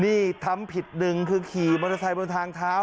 นี่ทำผิดหนึ่งคือขี่มอเตอร์ไซค์บนทางเท้า